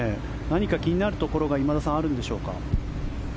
何か気になるところが今田さんあるのでしょうか。